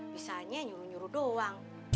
misalnya nyuruh nyuruh doang